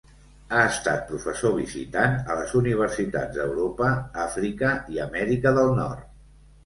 Ha estat professor visitant a les universitats d'Europa, Àfrica i Amèrica del Nord.